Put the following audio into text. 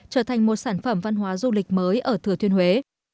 trở thành một sản phẩm văn hóa du lịch mới ở thừa thiên huế